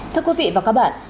thưa quý vị và các bạn